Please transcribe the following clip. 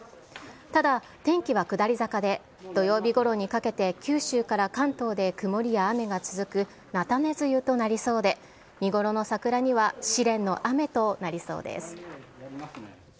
ただ、天気は下り坂で、土曜日ごろにかけて九州から関東で曇りや雨が続く菜種梅雨となりそうで、見ごろの桜には試練の雨となりそうです。